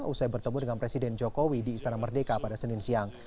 usai bertemu dengan presiden jokowi di istana merdeka pada senin siang